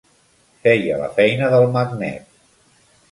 Feia la feina del magnet.